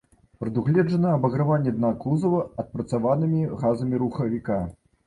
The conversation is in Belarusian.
Прадугледжана абаграванне дна кузава адпрацаванымі газамі рухавіка.